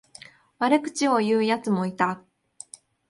悪口を言うやつもいた。